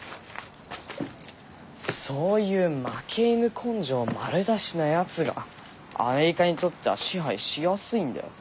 そういう負け犬根性丸出しのやつがアメリカにとっては支配しやすいんだよ。